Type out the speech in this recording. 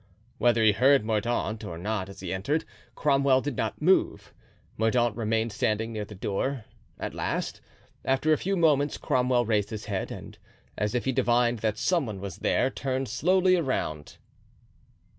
Whether he heard Mordaunt or not as he entered, Cromwell did not move. Mordaunt remained standing near the door. At last, after a few moments, Cromwell raised his head, and, as if he divined that some one was there, turned slowly around.